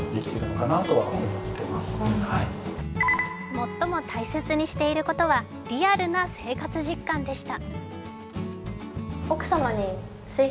最も大切にしていることはリアルな生活実感でした。